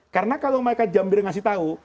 karena kalau mereka jambir ngasih tahu